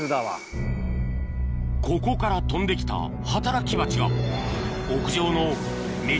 ここから飛んで来た働きバチが屋上の芽